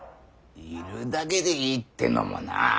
いるだけでいいってのもなあ。